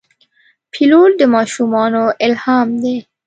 پیلوټ د ماشومانو الهام دی.